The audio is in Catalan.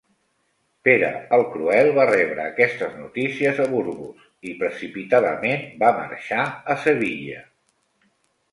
Pere el Cruel va rebre aquestes notícies a Burgos i precipitadament va marxar a Sevilla.